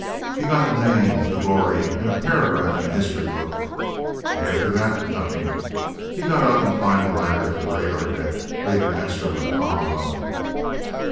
He got the name, the glory, and a paragraph in a history book! And after that, nothing!" He got up and climbed the ladder to the radar deck, leaving Astro and Tom alone.